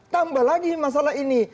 tambah lagi masalah ini